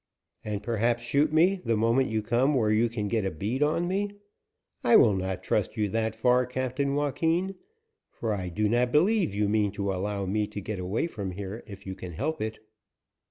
"And perhaps shoot me the moment you come where you can get a bead on me. I will not trust you that far, Captain Joaquin, for I do not believe you mean to allow me to get away from here if you can help it."